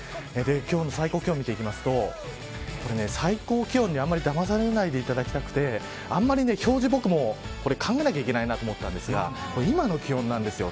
今日の最高気温を見ていきますと最高気温にあんまりだまされないでいただきたくてあまり表示、僕も考えなきゃいけないと思ったんですが今の気温なんですよ